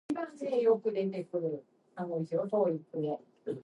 Its seat is in Dolbeau-Mistassini.